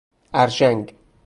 ارژنگ